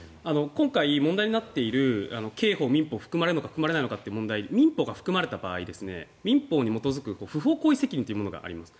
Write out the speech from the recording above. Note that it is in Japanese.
今回問題になっている刑法、民法含まれるのか含まれないのかという問題民法が含まれた場合民法に基づく不法行為責任というものがあります。